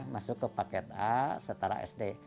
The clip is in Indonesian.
masuk ke paket a setara sd